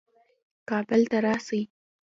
کابل ته راسي.